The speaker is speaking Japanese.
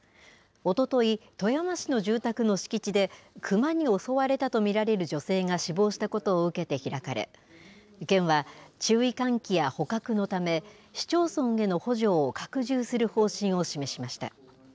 おととい、富山市の住宅の敷地で熊に襲われたと見られる女性が死亡したことを受けて開かれ県は注意喚起や捕獲のため市町村への補助を拡充する方針を示しました。